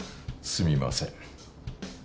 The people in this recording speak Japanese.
すみません。